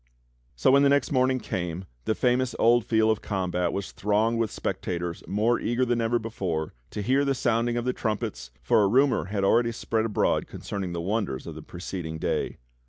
So when the next morning came the famous old field of combat was thronged with spectators more eager then ever before to hear the sounding of the trumpets, for a rumor had already spread abroad concerning the w^onders of the preceding day.